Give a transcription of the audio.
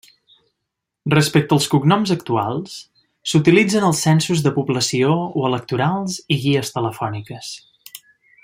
Respecte als cognoms actuals s'utilitzen els censos de població o electorals i guies telefòniques.